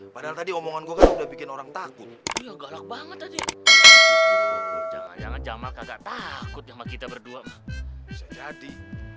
padahal tadi omongan gua kan udah bikin orang takut ya galak banget tadi